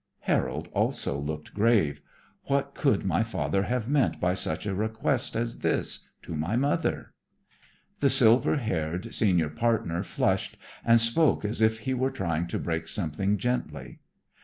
Harold also looked grave. "What could my father have meant by such a request as this to my mother?" The silver haired senior partner flushed and spoke as if he were trying to break something gently.